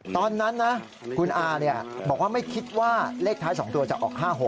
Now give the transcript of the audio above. ตอนนั้นนะคุณอาบอกว่าไม่คิดว่าเลขท้าย๒ตัวจะออก๕๖